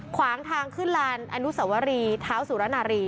ขวางทางขึ้นลานอนุสวรีเท้าสุรนารี